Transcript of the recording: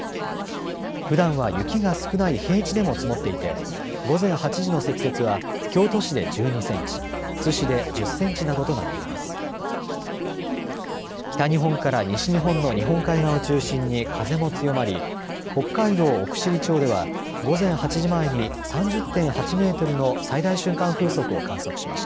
ふだんは雪が少ない平地でも積もっていて午前８時の積雪は京都市で１２センチ津市で１０センチなどとなっています。